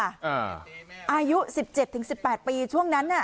อายุ๑๗ถึง๑๘ปีช่วงนั้น